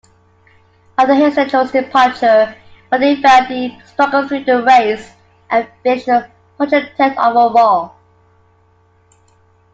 After Hesjedal's departure, Vande Velde struggled through the race, and finished hundred-tenth overall.